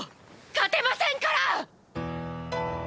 勝てませんから！！